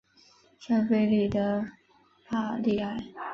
圣费利德帕利埃。